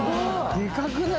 でかくない？